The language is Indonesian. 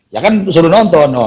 ya kan suruh nonton